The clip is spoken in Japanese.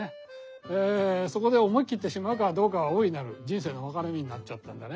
そこで思い切ってしまうかどうかは大いなる人生の分かれ目になっちゃったんだね。